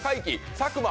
佐久間！